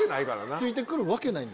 ついて来るわけないんで。